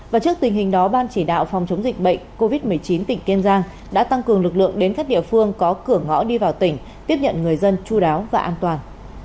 và trước tình hình đó ban chỉ đạo phòng chống dịch bệnh covid một mươi chín tỉnh kiên giang đã tăng cường lực lượng đến các địa phương có cửa ngõ đi vào tỉnh tiếp nhận người dân chú đáo và an toàn